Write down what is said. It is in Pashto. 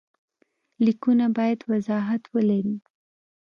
لیکونه باید وضاحت ولري.